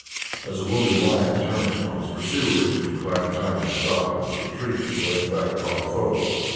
As a wounded lion turns upon his pursuers, from time to time he stopped in his retreat, and rushed back upon the foe.